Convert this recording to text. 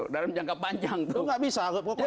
dalam jangka panjang itu